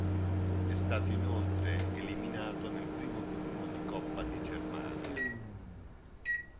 È stato inoltre eliminato nel primo turno di Coppa di Germania.